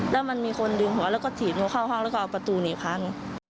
แล้วมันมีคนดึงหัวแล้วก็ถีบหนูเข้าห้องแล้วก็เอาประตูหนีพัง